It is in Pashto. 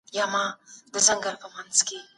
دغه څېړني دومره لوی توپیر نه لري.